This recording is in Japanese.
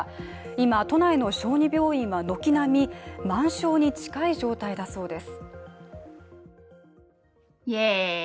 今、都内の小児病院は軒並み満床に近い状態だということです。